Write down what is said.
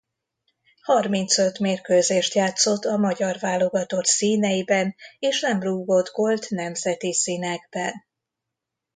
Harmincöt mérkőzést játszott a magyar válogatott színeiben és nem rúgott gólt nemzeti színekben.